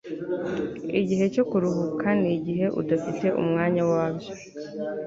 igihe cyo kuruhuka ni igihe udafite umwanya wabyo